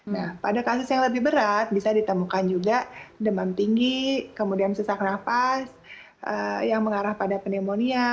nah pada kasus yang lebih berat bisa ditemukan juga demam tinggi kemudian sesak nafas yang mengarah pada pneumonia